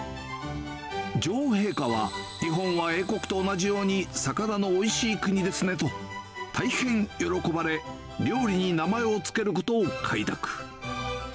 女王陛下は、日本は英国と同じように魚のおいしい国ですねと、大変喜ばれ、料理に名前を付けることを快諾。